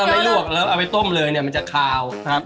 ไม่ลวกแล้วเอาไปต้มเลยเนี่ยมันจะคาวครับ